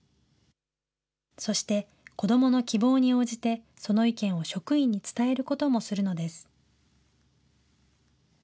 そして、子どもの希望に応じてその意見を職員に伝えることもするのです。